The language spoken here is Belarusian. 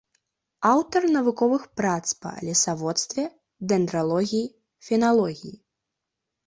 Аўтар навуковых прац па лесаводстве, дэндралогіі, феналогіі.